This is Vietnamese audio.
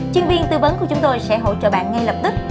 chuyên viên tư vấn của chúng tôi sẽ hỗ trợ bạn ngay lập tức